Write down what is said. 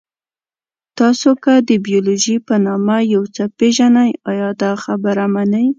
تاسو که د بیولوژي په نامه یو څه پېژنئ، ایا دا خبره منئ؟